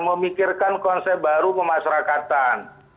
memikirkan konsep baru pemasrakatan